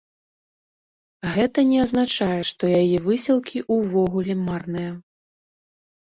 Гэта не азначае, што яе высілкі ўвогуле марныя.